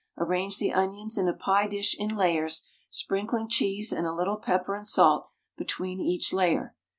Arrange the onions in a pie dish in layers, sprinkling cheese and a little pepper and salt between each layer.